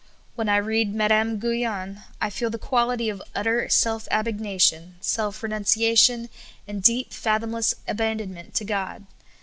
When I read Madame Guyon, I feel the quality of utter self abnegation, self renunciation, and deep, fathomless abandonment to God.